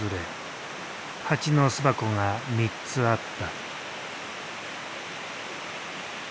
ハチの巣箱が３つあった。